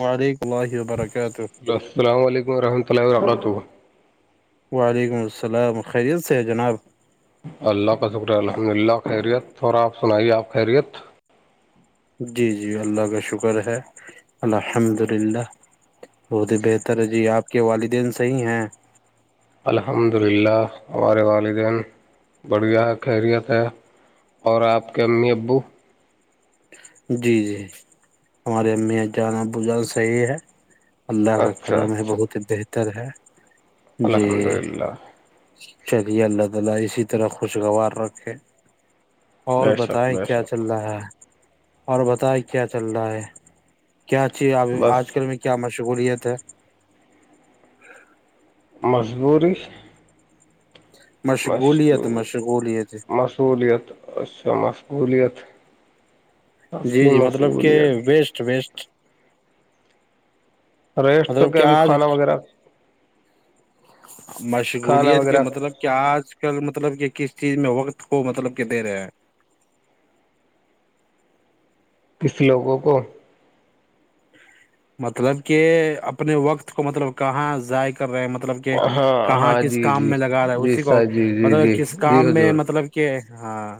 وعلیکم اللہ وبرکاتہ السلام علیکم ورحمۃ اللہ وبراتہ وعلیکم السلام خیریت سے ہے جناب اللہ کا شکر الحمد للہ خیریت تھڑا سنائیے آپ خیریت جی جی اللہ کا شکر ہے الحمد للہ بہت ہی بہتر ہے جی آپ کے والدین صحیح ہیں الحمد للہ ہمارے والدین بڑھیا خیریت ہے اور آپ کے امی ابو جی جی ہماریے امی یہ جانا ب جانا صحیح ہے اللہ کا اچھا کررم ہے اچھا بہت ہی بہتر اتد ہے الحمد للہ چری اللہد لہ اسی طرح خوشگوار رکھے اور بے شک بتائ بے کیا چل شک رہا ہے اور بتائے کیا چل رہا ہے کیا اھیب بس آج کل میں کیا م شکولیا تھا ہے مجبوری مش تو مشغولیت مشغولیت مصولیت اچھا مست مہلیت [inaudible] جی جی مطلب کہ ویسٹ ویسٹ ریسٹ تو مطلب کیا کہ ابھی آج کھانا وغیرہ کھانا مشغولیت کے وغیرہ مطلب کہ آج آ کل مطلب کہ کس چیز میں وقت کو مطلب کہ دے رہے ہیں کس لوگوں کو مطلب کہ اپنے وقت کو مطلب کہاں ذائقہ کر رہے ہیں مطلب کہ ہاں کہاں ہاں کس جی کام جی میں لگا رہے جی اسی کو سر جی جی مطلب جی کس جی کام میں حضور مطلب کہ ہاں [inaudible]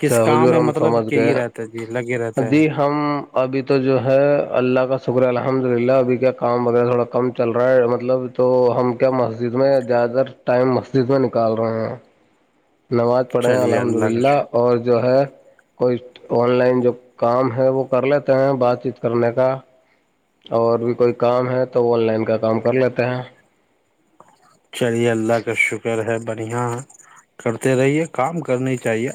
کس کام حجور میں ہم مطلب سمجھ کہ گئے یہ رہتا ہے جی لگے رہتے ہیں جی ہم ابھی تو جو ہے اللہ کا شکرہ الحمد للہ ابھی کیا کام وغیرہ تھوڑا کم چل رہا ہے مطلب تو ہم کیا مس جس میں زیادہ تر ٹائم مسجد میں نکال رہے ہیں نماز پڑھے ہیں چلیے الحمد اللہ کا للہ شکر اور جو ہے کوئی آن لائن جو کام ہے وہ کر لیتے ہیں بات چیت کرنے کا اور بھی کوئی کام ہے تو آن لائن کا کام کر لیتے ہیں چلیے اللہ کا شکر ہے بڑھیا ہے کرتے رہیے کام کرنی چاہیے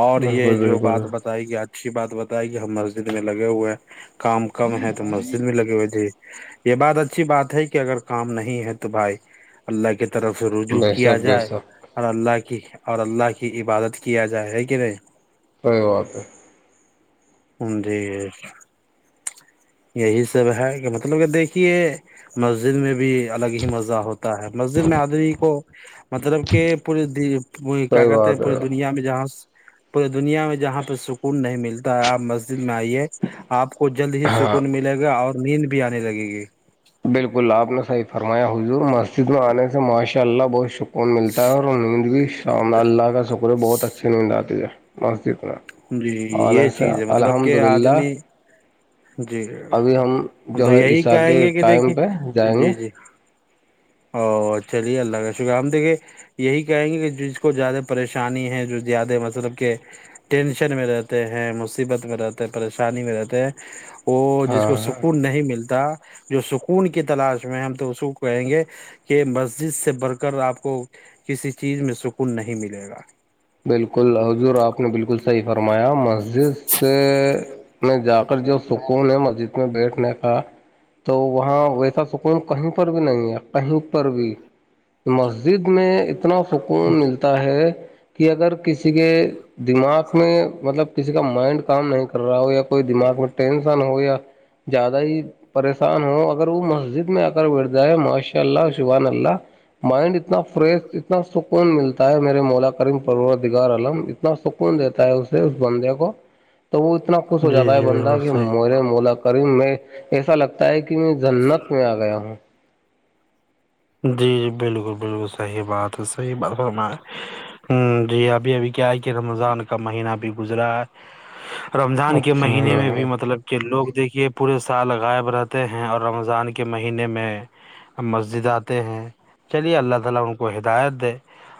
اور یہ بالکل جو بات بالکل بتائے گی آج اچھی بات بتائے کہ ہم مسجد میں لگے ہوئے ہیں کام کم ہے تو مسجد میں لگے ہوئے تھی یہ بات اچھی بات ہے کہ اگر کام نہیں ہے تو بھائی اللہ کے طرف سے رجوع بے کیا شک بے جائے شک اور اللہ کے اور اللہ کی عبادت کیا جائے ہے کہ نہیں صی بات ہے ان جی یہی سب ہے کہ مطلب کہ دیکھیے مسجد میں بھی الگ ہی مزہ ہوتا ہے مسجد میں آدمی کو مطلب کہ پورے کیا صحیح کہتے بات پورے ہے دنیا میں جہاں [inaudible] دنیا میں جہاں پہ سکون نہیں ملتا آپ مسجد میں آئی ہے آپ کو جلد ہی شکر ہاں کون ملے گا اور نیند بھی آنے لگے گی بالکل آپ نے سح فرمایا حضور مسجد میں آنے سے ماشاء اللہ بہت شکر کوون ملتا ہے اور نیند بھی شام اللہ اللہ کا شکر ہے بہت اچھی نیند آتی ہے مج جی آنے یہ سے چیز ہے مطلب الحمد کہ للہ آدمی جی ابھی ہم ہم تو جو ہے یہی عیسا کہیں کے گے کہ ٹائم دیکھیے پہ جائیں گے جی جی او چلیے اللہ کا شکرہ ہم دیکھے یہی کہیں گے کہ جس کو زیادہ پریشانی ہے جو زیادہ مطلب کہ ٹینشن میں رہتے ہیں مصیبت میں رہتے ہیں پریشانی میں رہتے ہیں وہ جس ہاں کو ہاں سکون نہیں ملتا جو سکون کی تلاش میں ہم تو اس کو کہیں گے کہ مسجد سے بڑھ کر آپ کو کسی چیز میں سکون نہیں ملے گا بالکل ہضور آپ نے بالکل صحیح فرمایا مسجد سے میں جا کر جو سکون ہے مسجد میں بیٹھنے کا تو وہاں ویسا سکون کہیں پر بھی نہیں ہے ا پرر بھی مسجد میں اتنا سکون ملتا ہے کہ اگر کسی کے دماغ میں مطلب کسی کا مائنڈ کام نہیں کر رہا ہو یا کوئی دماغ میں ٹینسن ہو یا زیادہ ہی پریشان ہو اگر وہ مسجد میں آ بیدائے ہے ماشاء اللہ شبان اللہ مائنڈ اتنا فریش اتنا سک کون ملتا ہے میرے ملاک دیار عم اتنا سکون دیتا ہے اسے اس بندے کو تو وہ اتنا خوش ہو جی جاتا ہے جی بندہ بالکل کہ صحیح مورے مولک میں ایسا لگتا ہے کہ کہ میں جنت میں آ گیا ہوں جی جی بالکل بالکل صحیح بات ہے صحیح بات فرم ہ جی ابھی ابھی کیا ہے کہ رمضان کا مہینہ بھی گزرا ہے رمضان کے اچھا مہینے ہاں میں بھی ہاں مطلب کے لوگ دیکھیے پورے سال غائب رہتے ہیں اور رمضان کے مہینے میں مسجدات ہیں چلیے اللہ تعالی ان کو ہدایت دے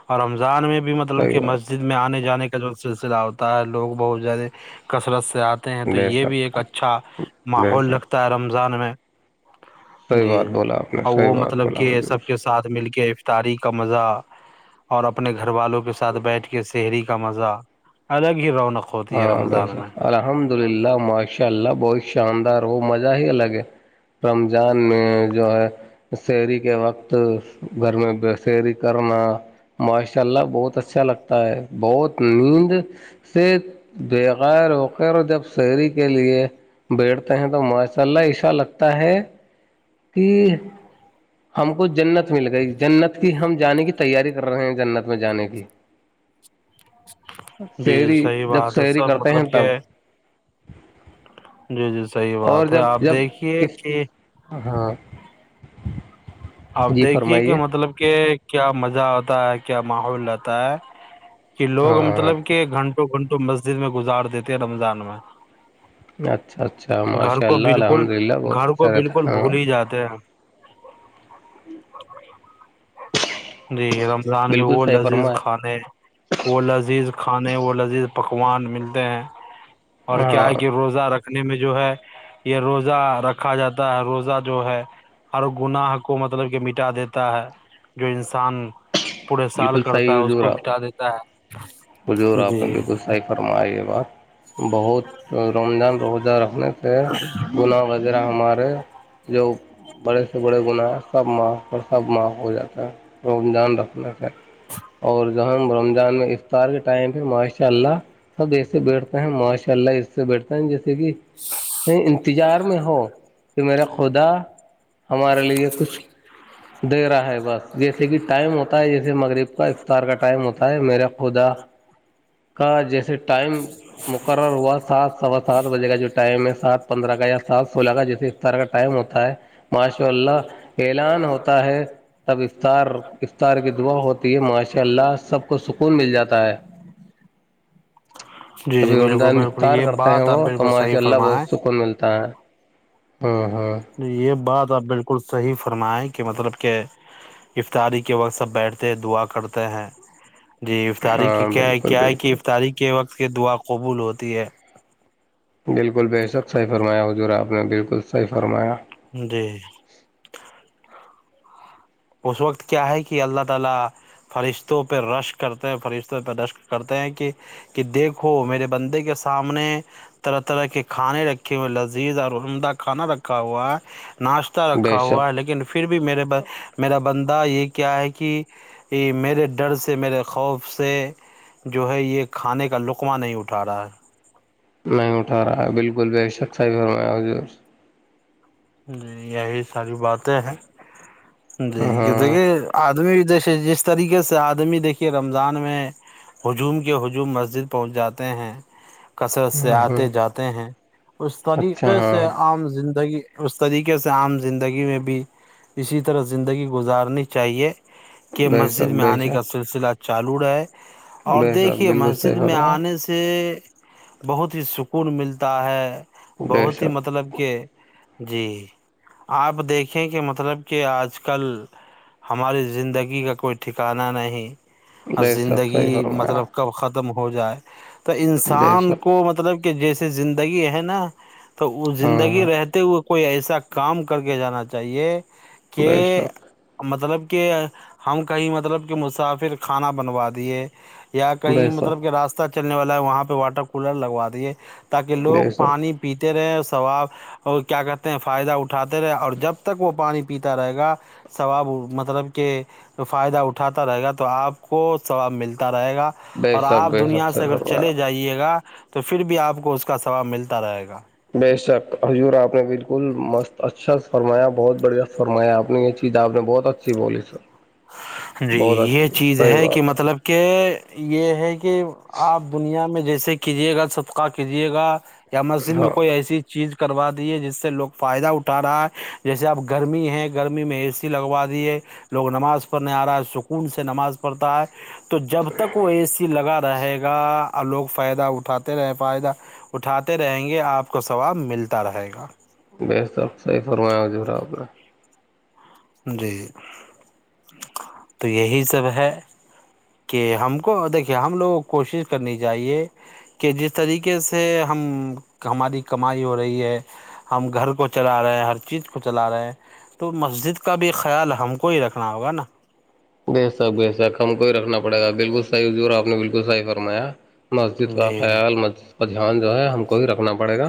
اور رمضان میں بھی مطلب صحیح کہ بات مسجد میں آنے جانے کے کا جو سلسلہ ہوتا ہے لوگ بہت زیادہ کثرت سے آتے ہیں تو بے یہ بھی ایک شک اچھا ماحول لگتا ہے رم رمضان میں صحی بات بولا آپ نے صحیح بات بولا کے حضور سب کے ساتھ مل کے افطاری کا مزہ اور اپنے گھر گھر والوں کے ساتھ بیٹھ کے شہری کے مزہ الگ ہی رونے ہاں ب الحمد للہ ماشاء اللہ بہت شاندار وہ مزہ ہی الگ ہے رمضان میں جو ہے اسیہری کے وقت گھر میں شعری کرنا ماشاء اللہ بہت اچھا لگتا ہے بہت نیند سے بغیر وغیر جب اسہری کے لیے بیٹھتے ہیں تو ماشاء اللہ عشا لگتا ہے کھر [unintelligible] ہم کو جنت مل گئی جنت کی ہم جانے کی تیاری کر رہے ہیں جنت میں جانے کی جی جی شہری صحیح جب بات ہے شہری سب کرتے ہیں مطلب تب کہ جی جی صحی اور بات ہے جب آپ جب دیکھیے کہ ہاں آپ جی دیکھیے کہ فرمائیے مطلب کہ کیا مزہ آتا ہے کیا ماحول رہتا ہے کہ لوگ ہاں مطلب کہ گھنٹوں گھنٹ تو مسجد میں گزار دیتے ہیں رمضان میں اچھا اچھا گھر ماشاء کو اللہ بالکل الحمد للہ بہت گھر اچھا کو رہتا بالکل ہ بھول ہی جاتے ہیں [inaudible] [inaudible] جی رمضان میں بالکل وہ صحیح لذیذ فرما ہے کھانے وہ لذیذ کھانے وہ لذیذ پکوان ملتے ہیں اور کیا ہاں ہے کہ روزہ رکھ رنے میں جو ہے یہ روزہ رکھا جاتا ہے روزہ جو ہے ہر گناہ کو مطلب کہ مٹا دیتا ہے جو انسان پورے سال بالکل کرتا صحیح ہے اس حجور کو آپ مٹا دیتا ہے حجور آپ نے جی بالکل صحیح فرمایا یہ بات بہت رمضان روزارکھنے سے گناہ وغیرہ ہمارے جو بڑے سے بڑے گناہ سب ماں اور خب معاف ہو جاتا ہے ر رکھنا اور جو ہم رمضان میں افطار کے ٹائم پہ ماشاء اللہ سب ایسے بیٹھتے ہیں ماشاء اللہ اس سے بیٹھتے ہیں جس دہ نہیں انتظار میں ہو یہ میرا خ خودا ہمارے لیے کچھ دے رہا ہے بس جیسے کہ ہوتا ہے جیسے مغرب کا افطار کا ٹائم ہوتا ہے میرے [unintelligible] خدا کا جیسے [unintelligible] ٹائم مقرر ہوا سات سوا سات بجے کا جو ٹائم ہے سات پندرہ کا یا سات [unintelligible] فا جیسے افطار کا ٹائم ہوتا ہے ماشاء اللہ اعلان ہوتا ہے تب افطار [unintelligible] افطار کی دعا ہوتی ہے ماشاء اللہ سب کو سکون مل جاتا ہے [unintelligible] جی جی ابھی بالکل رمضان بالکل مفطار یہ کرتے ہیں بات آپ وہ تو بالکل صحیح ماشاء اللہ بہت فرمائیں سکون ملتا ہے [unintelligible] ہاں [inaudible] نہیں یہ بات [unintelligible] ب بالکل صحیح فرمائے کہ مطلب کہ افطاری کے وقت سب بیٹھتے ہیں دعا کرتے ہیں [unintelligible] جی افطاری ہاں کیا بالکل کیا ہے کہ بالکل افطاری کے وقت [unintelligible] اس کی دعا قبول ہوتی ہے [unintelligible] بالکل بھ صب صحیح فرمایا ہو جورا آپ نے بالکل صحیح فرمایا [unintelligible] جی [inaudible] حضور کیا ہے کہ اللہ تعالی فرشتوں پہ رشک کرتے ہیں فرشتوں پہ رش کرتے ہیں کہ دیکھ ناشتہ بے رکھا ہوا ہے شک لیکن پھر بھی میرے پس [unintelligible] بند یہ [unintelligible] کیا ہے کہ میرے ڈر سے میرے خوف سے جو ہے یہ کھانے کا لقوہ نہیں اٹھا رہا ہے [unintelligible] نہیں اٹھا رہا ہے بالکل ب شخصھرم [unintelligible] جی یہی ساری باتیں ہیں [unintelligible] جی کہتے ہاں کہ [unintelligible] آدمی جس طریقے سے آدمی دیکھیے رمضان میں ہجوم کے ہجوم مسجد پہنچ جاتے ہیں [unintelligible] کثرت سے ہاں ہاں آتے جاتے ہیں اس اچھا طریقے سے ہاں عام زندگی [unintelligible] اس طریقے سے عام زندگی میں بھی اسی طرح زندگی گزارنی چاہیے [unintelligible] کے بے مسجد شک میں بے آنے کا شک سلسلہچ [unintelligible] چالور ہے [unintelligible] اور بے شک دیکھیے بالکل مسجد صحیح میں فرمایا آنے سے [unintelligible] بہت ہی سکون ملتا ہے [unintelligible] بے بہت ہی شک مطلب کہ [unintelligible] جی آپ دیکھیں کہ مطلب کہ آج کل ہماری زندگی کا کوئی ٹھکانہ نہیں [unintelligible] اور بے شک صحیح زندگی فرمایا مطلب کب ختم [unintelligible] ہو جائے تو بے انسان شک کو مطلب جیسے زندگی ہے نا تو تو وہ ہاں زندگی ہاں رہتے ہوئے کوئی ایسا کام کر کے جانا چاہیے کہ بے شک مطلب کہ ہم کہیں مطلب کہ مسافر کھانا بنوا دیے یا کہیں بے مطلب شک کہ راستہ چلنے والا ہے وہاں پہ واٹر کولر لگوا دیے تاکہ لوگ بے شک پانی پیتے رہے سواب اور کیا کرتے فائدہ اٹھاتے رہے اور جب تک وہ پانی پیتا رہے گا ثواب مطلب کہ فائدہ اٹھاتا رہے گا تو آپ کو ثواب ملتا رہ رہے گا بے اور شک آپ بے شک دنیا سے صحیح اگر فرمایا چلے جائیے گا تو پھر بھی آپ کو اس کا سواب ملتا رہے گا بے شک ہضور آپ نے ب فل مست اچھا فرمایا بہت بڑھیا فرمایا آپ نے یہ چیز آپ نے بہت اچھی بولی سر جی بہت یہ اچھی چیز صحیح ہے کہ بات مطلب کہ یہ ہے کہ آپ دنیا میں جیسے کیجیے گا سبقہ کیجیے گا یا مسجد میں ہاں کوئی ایسی چیز کروا دیے جس سے لوگ فائدہ اٹھا رہا ہے جیسے اپ گرمی ہے گرمی میں اے سی لگوا دیے لوگ نماز پنے آ رہا ہے سکون سے نماز پڑتا ہے تو جب تک وہ اے سی لگا رہے گا لوگ فائدہ اٹھاتے رہے فائدہ اٹھاتے رہیں گے آپ کو ثواب ملتا رہے گا [unintelligible] صحیح فرمایا ہو جورا آپلہ جی تو یہی سب ہے کہ ہم کو دیکھیے ہم لوگوں کوشش کرنی چاہیے کہ جس طریقے سے ہم ہماری کمائی ہو رہی ہے ہم گھر کو چلا رہے ہیں ہر چیز کو چلا رہے ہیں تو مسجد اس کا بھی خیال ہم کو ہی رکھنا ہوگا نا ویسا ویسا ہم کوئی رکھنا پڑےا بالکل صحی حجور آپ نے بالکل صحی فرمایا مسجد کا جی خیال مسجد کاجحان جو ہے ہم کو ہی رکھنا پڑے گا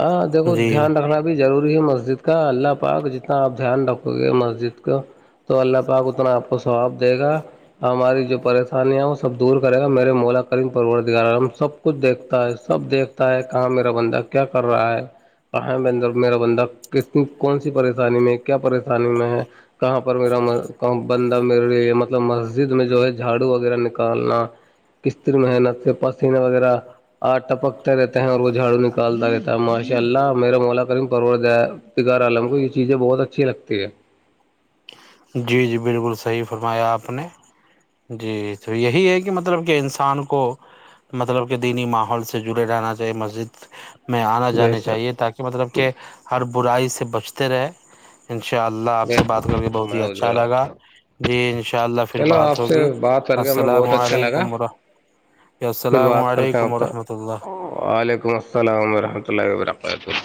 ہاں دیکھو جی دھیان رکھنا بھی ضور مسجد کا اللہ پاک جتنا آپ دھیان رکھو گے مسجد کا تو اللہ پاک اتنا آپ کو واب دے گا ہماری جو پریشانیاں سب دور کرےا میرے مولا کریین پروردار ہم سب کچھ دیکھتا ہے سب دیکھتا ہے کہاں میرا بندک کیا کر رہا ہے کہ ہے بندر میرا بندہ ک کون سی پریشانی میں کیا پریشانی پانی میں ہے کہاں پر میرا م بندہ میرے لیے مطلب م مسجد میں جو ہے جھاڑو وغیرہ نکالنا کسر محنت سے پسینے وغیرہ آ ٹپکتے رہتے ہیں اور وہ جھاڑو نک رہتا ماشاء اللہ میرا مولا کریمار عالم کو یہ چیزیں بہت اچھی لگتی ہے جی جی بالکل صحیح فرمایا آپ نے جی تو یہی ہے کہ مطلب کہ انسان کو مطلب کہ دینی ماحول سے جڑے رہنا چاہیے مسجد میں آنا بے جانے چاہیے شک تاکہ مطلب کہ ہر برائی سے بچتے رہے انشاء اللہ آپ سے بات کر کے بہت ہی اچھا لگا جی انشاء اللہ پھر چلو بات آپ سے ہوگی بات کر کے ہمیں السلام بہت اچھا لگا علیکم ورحمۃ پھر السلام بات کرتے ہیں علیکم اب ورحمۃ اللہ تک وعلیکم السلام ورحمۃ اللہ وبرکاتہ